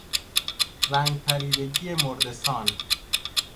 رنگ پریدگی مردهسان